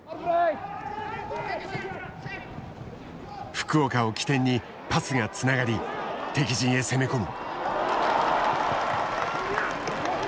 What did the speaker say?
福岡を起点にパスがつながり敵陣へ攻め込む。